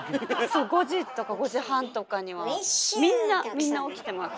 そう５時とか５時半とかにはみんな起きてます。